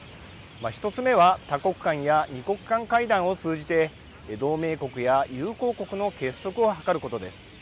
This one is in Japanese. １つ目は多国間や２国間会談を通じて同盟国や友好国の結束を図ることです。